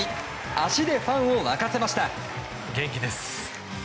足でファンを沸かせました。